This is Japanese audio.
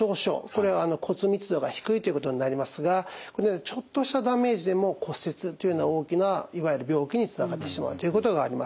これは骨密度が低いということになりますがこのようなちょっとしたダメージでも骨折というような大きないわゆる病気につながってしまうということがあります。